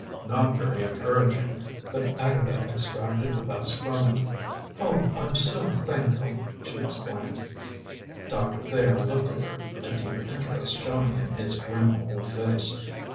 Not very encouraging, but Agatha extracted the best from it. "Oh, I'm so thankful!" she exclaimed. Doctor Thayer looked at her, a deep interest showing in his grim old face.